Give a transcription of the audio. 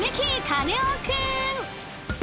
カネオくん！